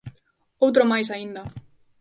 Outro máis aínda.